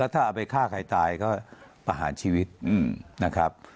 ถ้าเอาไปฆ่าใครตายก็ประหารชีวิตนะครับ